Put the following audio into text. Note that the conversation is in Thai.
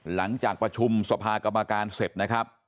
หลังจากประชุมสภากรรมการเสร็จนะครับ